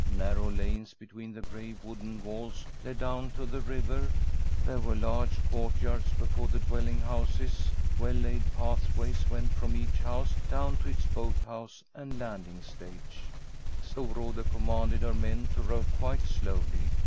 Narrow lanes between the gray wooden walls led down to the river; there were large courtvards before the dwelling houses, well laid [1591 Fr»m n SiTEDISH HOMESTEAD pathways wont from each house down to its boathou^e and landing siage. Storrado commanded her men to row quite slowly.